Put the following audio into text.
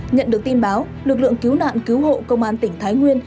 nhận được tin báo lực lượng cứu nạn cứu hộ công an tỉnh thái nguyên